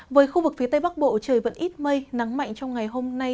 với khu vực phía tây bắc bộ trời vẫn ít mây nắng mạnh trong ngày hôm nay